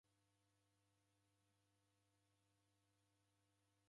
Mbiya yake yabarika.